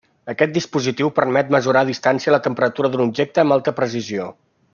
Aquest dispositiu permet mesurar a distància la temperatura d'un objecte amb alta precisió.